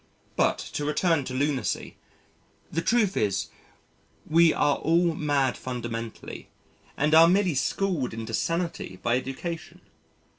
But to return to lunacy: the truth is we are all mad fundamentally and are merely schooled into sanity by education.